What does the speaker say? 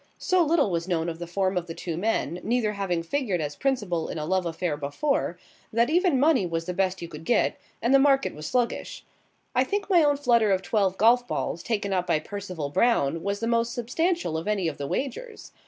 So little was known of the form of the two men, neither having figured as principal in a love affair before, that even money was the best you could get, and the market was sluggish. I think my own flutter of twelve golf balls, taken up by Percival Brown, was the most substantial of any of the wagers.